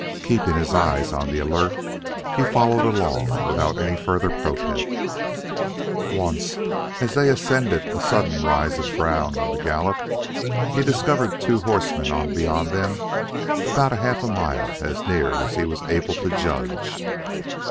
Keeping his eyes on the alert he followed along without further protest. Once, as they ascended a sudden rise of ground on the gallop, he discovered two horsemen on beyond them about half a mile as near as he was able to judge.